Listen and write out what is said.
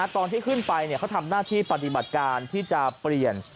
ตอนที่ขึ้นไปเขาทำหน้าที่ปฏิบัติการที่จะเปลี่ยน